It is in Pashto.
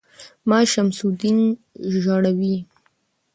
ـ ما شمس الدين ژاړو